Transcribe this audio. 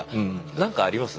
何かあります？